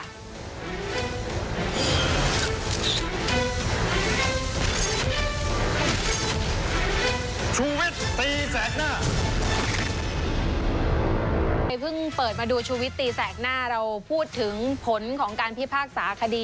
ไปเพิ่งเปิดมาดูชุวิตตีแสกหน้าเราพูดถึงผลของการพิพากษาคดี